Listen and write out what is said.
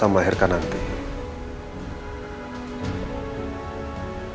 kalau aku sudah berpikir semuanya secara matang